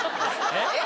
えっ？